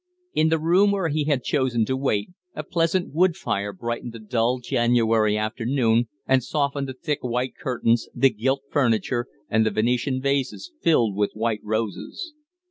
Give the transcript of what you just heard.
In the room where he had chosen to wait a pleasant wood fire brightened the dull January afternoon and softened the thick, white curtains, the gilt furniture, and the Venetian vases filled with white roses.